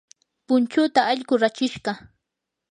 punchuuta allqu rachishqa.